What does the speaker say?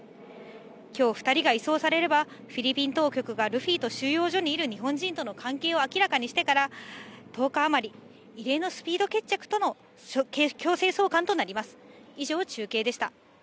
きょう、２人が移送されれば、フィリピン当局が、ルフィと収容所にいる日本人との関係を明らかにしてから１０日余り、異例のスピード決着での強制送還となります。